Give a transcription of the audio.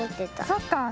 そっかあ。